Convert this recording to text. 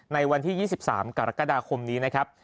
ในวันที่๒๓กรกฎาคมนี้นะครับ